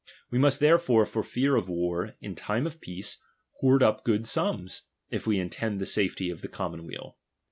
We must therefore, for fear of war, in time of peace hoard up good sums, if we intend the safety of the com monweal.